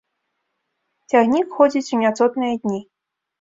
Цягнік ходзіць у няцотныя дні.